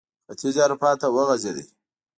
ختیځې اروپا ته وغځېد.